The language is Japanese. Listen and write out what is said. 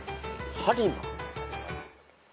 播磨？